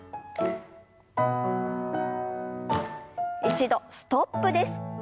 一度ストップです。